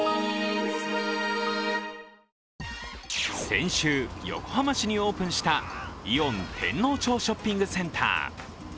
先週、横浜市にオープンしたイオン天王町ショッピングセンター。